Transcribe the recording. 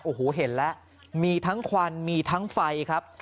โอ้โหเห็นแล้วมีทั้งควันมีทั้งไฟครับ